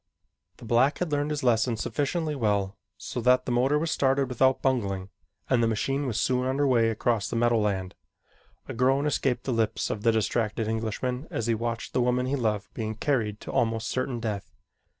The black had learned his lesson sufficiently well so that the motor was started without bungling and the machine was soon under way across the meadowland. A groan escaped the lips of the distracted Englishman as he watched the woman he loved being carried to almost certain death.